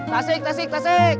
tasik tasik tasik